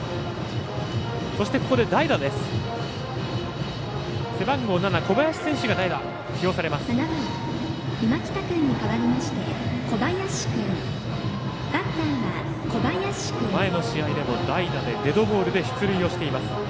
そして、ここで代打です。